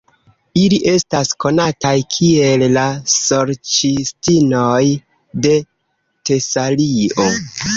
Ili estas konataj kiel la Sorĉistinoj de Tesalio.